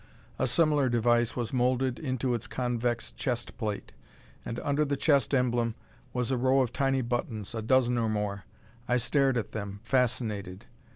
A similar device was moulded into its convex chest plate. And under the chest emblem was a row of tiny buttons, a dozen or more. I stared at them, fascinated.